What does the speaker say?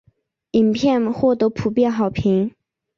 影片获得普遍好评。